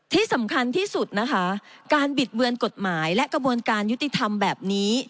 ที่สำคัญที่สุดนะคะการบิดเบือนกฎหมายและกระบวนการยุติธรรมแบบนี้